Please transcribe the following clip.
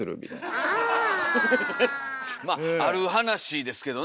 まあある話ですけどね